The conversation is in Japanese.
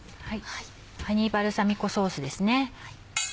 ハニーバルサミコソースですね。